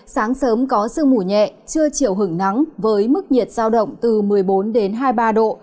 sáng sớm có sương mù nhẹ chưa chịu hứng nắng với mức nhiệt sao động từ một mươi bốn hai mươi ba độ